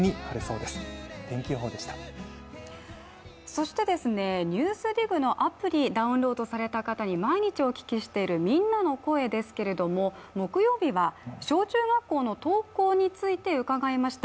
そして「ＮＥＷＳＤＩＧ」のアプリダウンロードされた方に毎日お聞きしている「みんなの声」ですけれども木曜日は、小中学校の登校について伺いました。